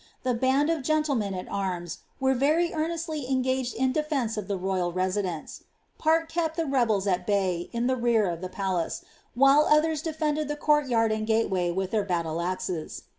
The band of gentlemen at arms were very earnestly engaged in defence of the royal residence ; part kept the rebels at bay, in the rear of the palace, while the others defended the court yard and gateway with their battle axes.